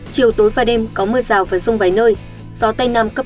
chiều tối và đêm có mưa rào và rông vài nơi gió tây nam cấp hai ba